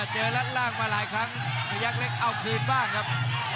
เจอแล้วล่างมาหลายครั้งพยักเล็กเอาครีมบ้างครับ